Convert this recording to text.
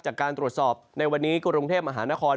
จากการตรวจสอบในวันนี้กรุงเทพมหานคร